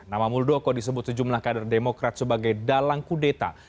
nama muldoko disebut sejumlah kader demokrat sebagai dalang kudeta